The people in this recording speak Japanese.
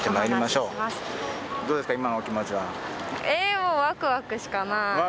もうワクワクしかない。